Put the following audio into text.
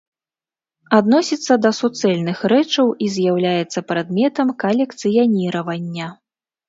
Адносіцца да суцэльных рэчаў і з'яўляецца прадметам калекцыяніравання.